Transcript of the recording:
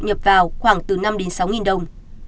nhập vào khoảng từ năm sáu đồng